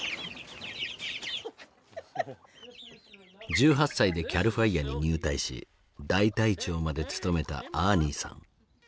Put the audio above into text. １８歳でＣＡＬＦＩＲＥに入隊し大隊長まで務めたアーニーさん。